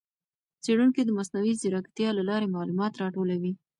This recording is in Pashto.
څېړونکي د مصنوعي ځېرکتیا له لارې معلومات راټولوي.